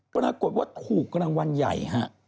ปรากฏว่าถูกกำลังวันใหญ่